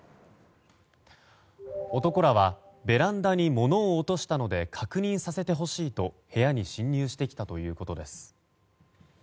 男らはベランダに物を落としたので確認させてほしいと部屋に侵入してきたということです。